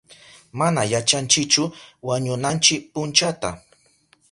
Mana yachanchichu wañunanchi punchata.